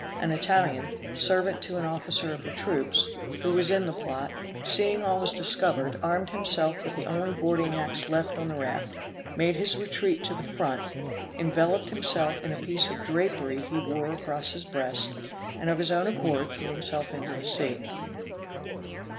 An Italian, servant to an officer of the troops, who was in the plot, seeing all was discovered, armed himself with the only boarding axe left on the raft, made his retreat to the front, enveloped himself in a piece of drapery he wore across his breast, and of his own accord threw himself into the sea.